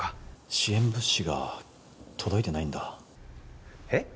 支援物資が届いてないんだえっ？